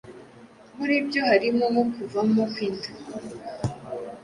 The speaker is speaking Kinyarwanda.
muribyo harimo nko kuvamo kw’inda